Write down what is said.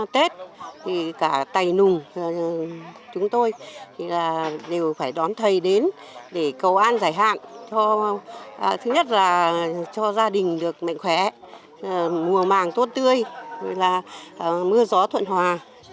thứ nhất là cho gia đình được mạnh khỏe mùa màng tốt tươi mưa gió thuận hòa